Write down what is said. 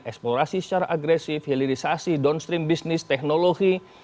eksplorasi secara agresif hilirisasi downstream business teknologi